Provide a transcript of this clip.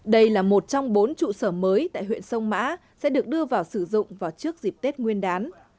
đây là một trong bốn trụ sở mới tại huyện sông mã sẽ được đưa vào sử dụng vào trước dịp tết nguyên đán